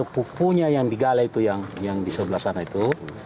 pukulnya yang digalai itu yang di sebelah sana itu